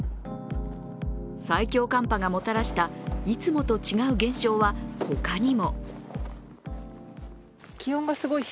最強寒波がもたらした、いつもと違う現象はほかにも。